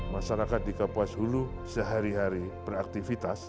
masyarakat di kapuas hulu sehari hari beraktivitas